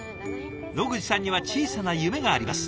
野口さんには小さな夢があります。